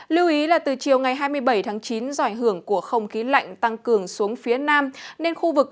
lưu ý là từ chiều ngày hai mươi bảy chín dòi hưởng của không khí lạnh tăng cường xuống phía nam nên khu vực